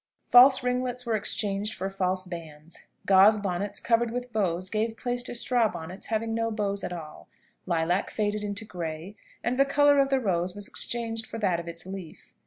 False ringlets were exchanged for false bands; gauze bonnets covered with bows gave place to straw bonnets having no bows at all; lilac faded into grey, and the colour of the rose was exchanged for that of its leaf.